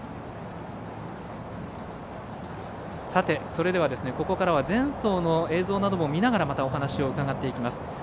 それでは、ここからは前走の映像も見ながらまた、お話を伺っていきます。